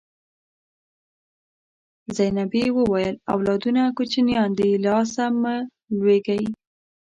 زینبې وویل اولادونه کوچنیان دي له آسه مه لوېږئ.